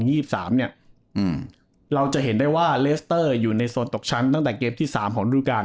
ยี่สิบสามเนี้ยอืมเราจะเห็นได้ว่าเรสเตอร์อยู่ในโซนตกชั้นตั้งแต่เกมที่สามของรูปการณ์